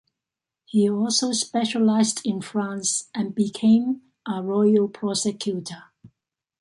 He also specialized in France and became a royal prosecutor.